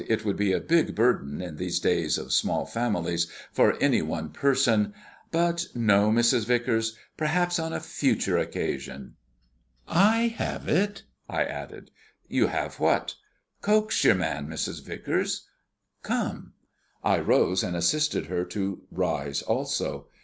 "It would be a big burden, in these days of small families, for any one person. But no, Mrs. Vicars. Perhaps on a future occasion I have it!" I added. "You have what?" "Coke's your man, Mrs. Vicars. Come." I rose, and assisted her to rise also.